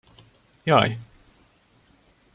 Jaj!